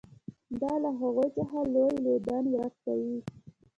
دا له هغوی څخه لوری لودن ورک کوي.